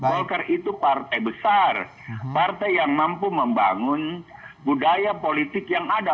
golkar itu partai besar partai yang mampu membangun budaya politik yang ada